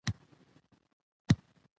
افغانستان په پکتیکا باندې تکیه لري.